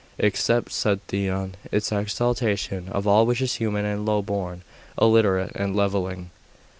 'Except,' said Theon, 'its exaltation of all which is human and low born, illiterate, and levelling.